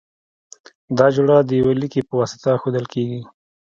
دا جوړه د یوه لیکي په واسطه ښودل کیږی.